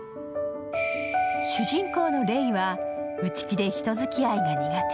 主人公のレイは内気で人づきあいが苦手。